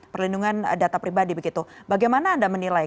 perlindungan data pribadi begitu bagaimana anda menilai kemudian kehadiran anda